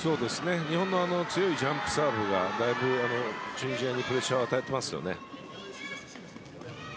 日本の強いジャンプサーブがチュニジアにプレッシャーをだいぶ与えてますね。